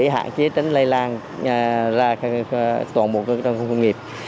hay là ra toàn bộ trong khu công nghiệp